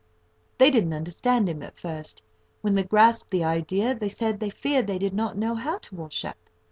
They didn't understand him at first. When they grasped the idea, they said they feared they did not know how to wash up.